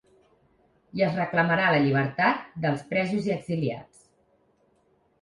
I es reclamarà la llibertat dels presos i exiliats.